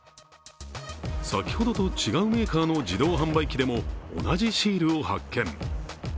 先ほどと違うメーカーの自動販売機でも同じシールを発見。